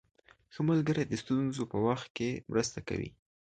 ښه ملګری د ستونزو په وخت کې مرسته کوي.